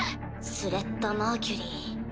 スレッタ・マーキュリー。